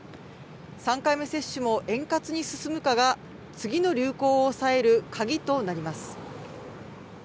３回目接種も円滑に進むかが次の流行を抑えるカギとなります。